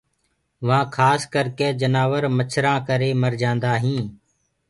وهآن کآس ڪرڪي جنآور مڇرآن ڪري مر جآندآهين